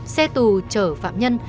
xe tù trở phạm nhân